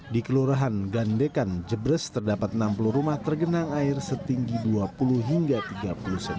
di kelurahan gandekan jebres terdapat enam puluh rumah tergenang air setinggi dua puluh hingga tiga puluh cm